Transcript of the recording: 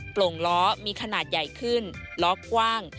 โปร่งล้อมีขนาดใหญ่ขึ้นล้อกว้าง